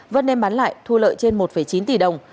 vân đem bán lại thu lợi trên một chín tỷ đồng